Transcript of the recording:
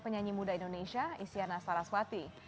penyanyi muda indonesia isyana saraswati